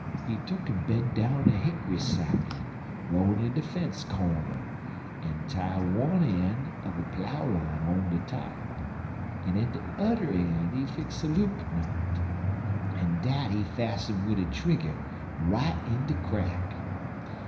He tuck'n ben' down a hick'ry saplin', growin' in de fence cornder, en tie one een' un a plow line on de top, en in de udder een' he fix a loop knot, en dat he fasten wid a trigger right in de crack.